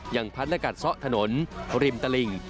พัดและกัดซ่อถนนริมตลิ่ง